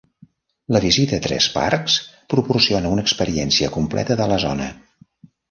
La visita a tres parcs proporciona una experiència completa de la zona.